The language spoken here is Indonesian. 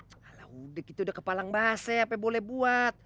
ala udah kita udah kepalang bahasa ya ape boleh buat